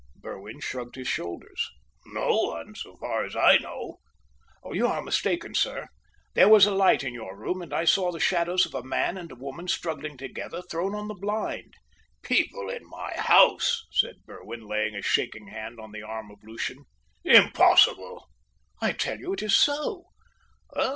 Berwin shrugged his shoulders. "No one, so far as I know." "You are mistaken, sir. There was a light in your room, and I saw the shadows of a man and a woman struggling together thrown on the blind." "People in my house!" said Berwin, laying a shaking hand on the arm of Lucian. "Impossible!" "I tell you it is so!"